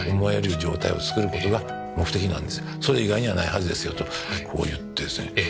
「それ以外にはないはずですよ」とこう言ってですね